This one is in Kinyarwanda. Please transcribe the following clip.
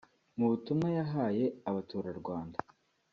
Mu butumwa yahaye Abaturarwanda